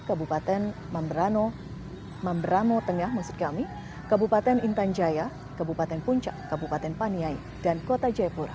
kabupaten mambrano tengah kabupaten intan jaya kabupaten puncak kabupaten paniai dan kota jaipura